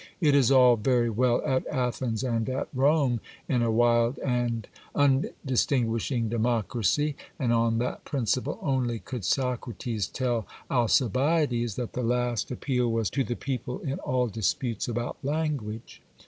It is all very well at Athens and at Rome, in a wild and un distinguishing democracy ; and on that principle only could Socrates tell Alci biades, that the last appeal was to the people in all disputes about language.